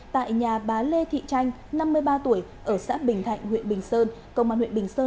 tại nhà bà lê thị tranh năm mươi ba tuổi ở xã bình thạnh huyện bình sơn công an huyện bình sơn